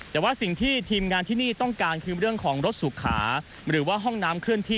แต่ว่าสิ่งที่ทีมงานที่นี่ต้องการคือเรื่องของรถสุขาหรือว่าห้องน้ำเคลื่อนที่